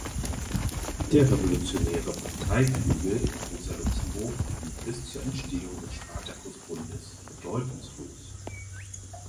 Der revolutionäre Parteiflügel um Rosa Luxemburg blieb bis zur Entstehung des Spartakusbundes bedeutungslos.